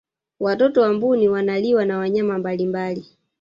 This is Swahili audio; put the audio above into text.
watoto wa mbuni wanaliwa na wanyama mbalimbali